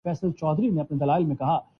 دوسروں کے ساتھ رابطے سے پرہیز کرتا ہوں